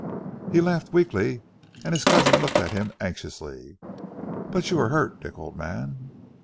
He laughed weakly, and his cousin looked at him anxiously. "But you are hurt, Dick, old man?"